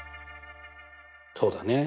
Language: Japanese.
そうだね。